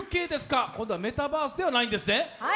今度はメタバースではないんですね。